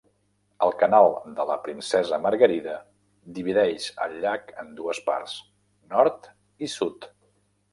El Canal de la Princesa Margarida divideix el llac en dues parts, nord i sud.